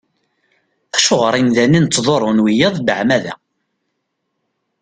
Acuɣer imdanen ttḍurrun wiyaḍ beεmada?